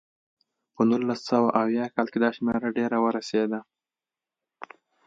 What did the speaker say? په نولس سوه اویا کال کې دا شمېره ډېره ورسېده.